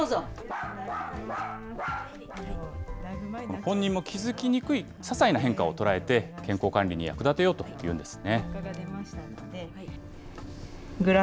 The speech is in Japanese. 本人も気付きにくいささいな変化を捉えて、健康管理に役立てようというんですね。